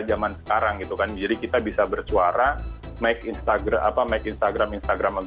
zaman sekarang gitu kan jadi kita bisa bersuara make instagram apa make instagram instagram